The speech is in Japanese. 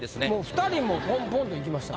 ２人もポンポンといきました。